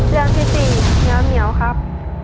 เรื่องที่๔แมวเหมียวครับ